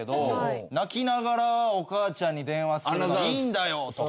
泣きながらお母ちゃんに電話するのいいんだよとか。